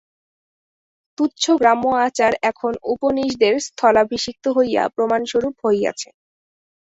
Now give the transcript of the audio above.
তুচ্ছ গ্রাম্য আচার এখন উপনিষদের স্থলাভিষিক্ত হইয়া প্রমাণস্বরূপ হইয়াছে।